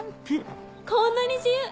こんなに自由！